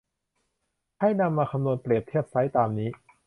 ให้นำมาคำนวณเปรียบเทียบไซซ์ตามนี้